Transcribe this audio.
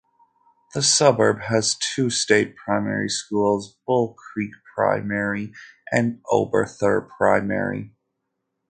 The suburb has two state primary schools, Bull Creek Primary and Oberthur Primary.